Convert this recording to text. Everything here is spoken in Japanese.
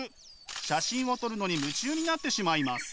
写真を撮るのに夢中になってしまいます。